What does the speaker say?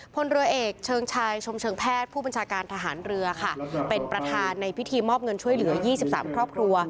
พลเรือเอกเชิงชายชมเชิงแพทย์ผู้บัญชาการทหารเรือค่ะเป็นประธานในพิธีมอบเงินช่วยเหลือ๒๓ครอบครัว